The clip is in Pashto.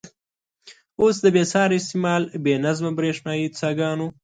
اوس د بې ساري استعمال، بې نظمه برېښنايي څاګانو.